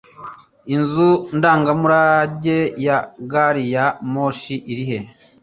Inzu Ndangamurage ya Gari ya moshi irihe?